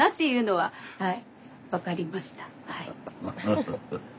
はい。